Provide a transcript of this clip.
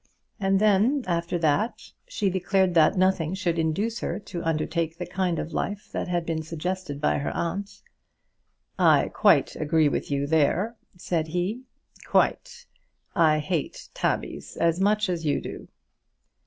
And then, after that, she declared that nothing should induce her to undertake the kind of life that had been suggested by her aunt. "I quite agree with you there," said he; "quite. I hate tabbies as much as you do."